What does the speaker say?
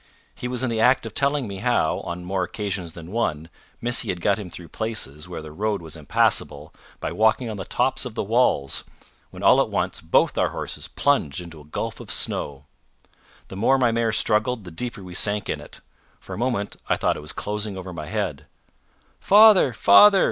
He was in the act of telling me how, on more occasions than one, Missy had got him through places where the road was impassable, by walking on the tops of the walls, when all at once both our horses plunged into a gulf of snow. The more my mare struggled, the deeper we sank in it. For a moment I thought it was closing over my head. "Father! father!"